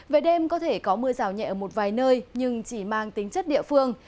về đêm có thể có mưa rào nhẹ ở một vài nơi nhưng chỉ mang tính chất địa phương